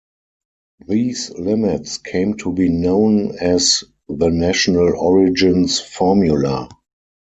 These limits came to be known as the National Origins Formula.